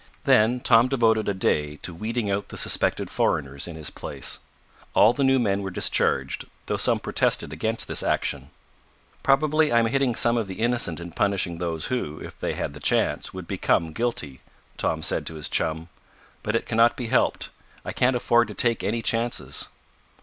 Then Tom devoted a day to weeding out the suspected foreigners in his place. All the new men were discharged, though some protested against this action. "Probably I am hitting some of the innocent in punishing those who, if they had the chance, would become guilty," Tom said to his chum, "but it cannot be helped I can't afford to take any chances."